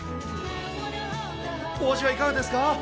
お味はいかがですか？